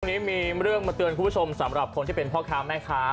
วันนี้มีเรื่องมาเตือนคุณผู้ชมสำหรับคนที่เป็นพ่อค้าแม่ค้า